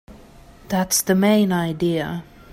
That's the main idea.